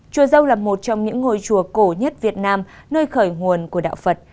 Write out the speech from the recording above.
chùa dâu là một trong những ngôi chùa cổ nhất việt nam nơi khởi nguồn của đạo phật